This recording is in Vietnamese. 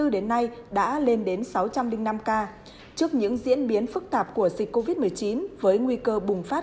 đến nay đã lên đến sáu trăm linh năm ca trước những diễn biến phức tạp của dịch covid một mươi chín với nguy cơ bùng phát